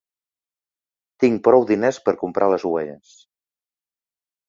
Tinc prou diners per comprar les ovelles.